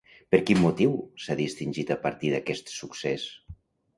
Per quin motiu s'ha distingit a partir d'aquest succés?